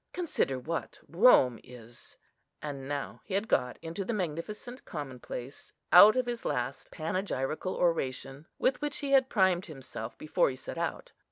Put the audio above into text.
Consider what Rome is;" and now he had got into the magnificent commonplace, out of his last panegyrical oration with which he had primed himself before he set out.